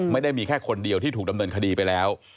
ไม่ได้มีแค่คนเดียวที่ถูกดำเนินคดีไปแล้ว